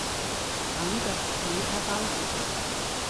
Rang das Ziel erreichte.